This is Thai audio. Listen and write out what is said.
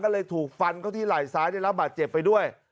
ก็เลยถูกฟันเข้าที่ไหล่ซ้ายได้รับบาดเจ็บไปด้วย